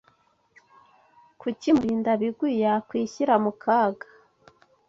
Kuki Murindabigwi yakwishyira mu kaga?